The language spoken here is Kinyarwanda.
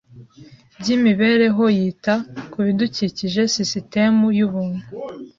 by'imibereho yita ku bibidukikije-sisitemu yubuntu.